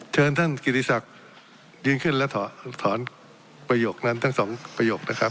เชิญท่านกิติศักดิ์ยืนขึ้นและถอนประโยคนั้นทั้งสองประโยคนะครับ